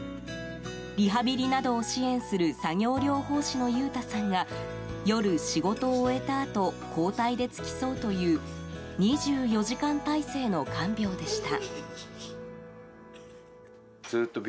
リハビリなどを支援する作業療法士の佑太さんが夜、仕事を終えたあと交代で付き添うという２４時間態勢の看病でした。